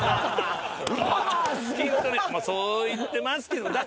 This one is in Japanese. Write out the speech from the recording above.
そう言ってますけど。